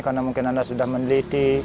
karena mungkin anda sudah meneliti